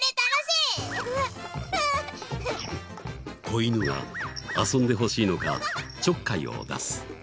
子犬が遊んでほしいのかちょっかいを出す。